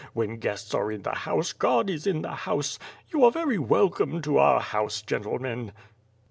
When guests are in the house God is in the house. You are very welcome to our house, gentlemen!"